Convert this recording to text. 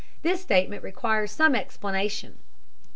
This statement requires some explanation.